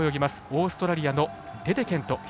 オーストラリアのデデケント。